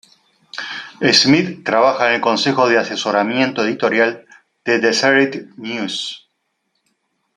Smith trabaja en el consejo de asesoramiento editorial de "Deseret News".